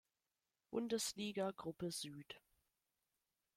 Bundesliga Gruppe Süd.